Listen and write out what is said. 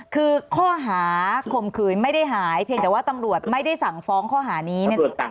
คือข้อหาข่มขืนไม่ได้หายเพียงแต่ว่าตำรวจไม่ได้สั่งฟ้องข้อหานี้